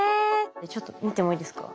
ちょっと見てもいいですか？